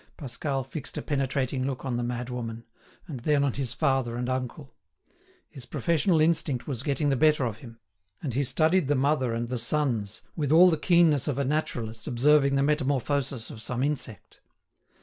Pascal fixed a penetrating look on the madwoman, and then on his father and uncle. His professional instinct was getting the better of him, and he studied the mother and the sons, with all the keenness of a naturalist observing the metamorphosis of some insect.